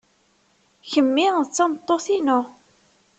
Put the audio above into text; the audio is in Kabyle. Kemmi d tameṭṭut-inu.